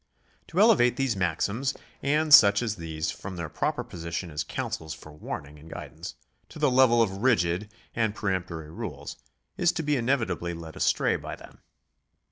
To elevate these maxims and such as these from their proper position as counsels for warning and guidance, to the level of rigid and peremptory rules, is to be inevitably led astray by them.